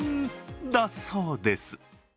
だそうです。